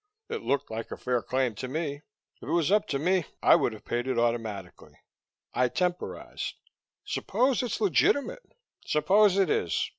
It looked like a fair claim to me. If it was up to me, I would have paid it automatically. I temporized. "Suppose it's legitimate?" "Suppose it is?